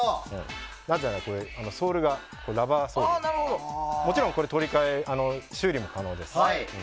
なぜなら、これはソールがラバーソールでもちろん取り換え修理も可能です。